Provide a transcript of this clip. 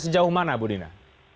sejauh mana bu dina